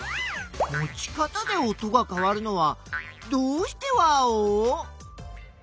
持ち方で音がかわるのはどうしてワオ？